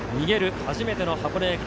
初めての箱根駅伝。